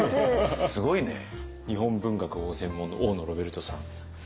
日本文学をご専門の大野ロベルトさん。